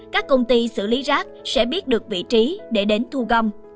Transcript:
các công ty xử lý rác sẽ biết được vị trí để đến thu gom